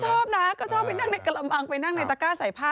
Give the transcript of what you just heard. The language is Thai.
ชอบนะก็ชอบไปนั่งในกระมังไปนั่งในตะก้าใส่ผ้า